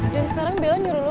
dan sekarang bila nyuruh lo